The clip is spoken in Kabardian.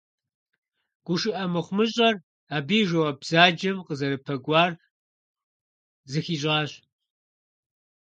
ГушыӀэ мыхъумыщӀэр, абы и жэуап бзаджэм къызэрыпэкӀуар зыхищӀащ.